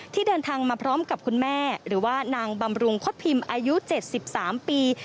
เดินทางมาพร้อมกับคุณแม่หรือว่านางบำรุงคดพิมพ์อายุ๗๓ปี